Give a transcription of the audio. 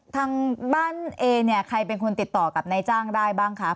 ทางบ้านเอเนี่ยใครเป็นคนติดต่อกับนายจ้างได้บ้างคะ